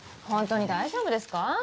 本当に大丈夫ですか？